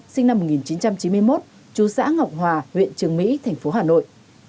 sinh năm một nghìn chín trăm chín mươi một chú xã ngọc hòa huyện trường mỹ thành phố hà nội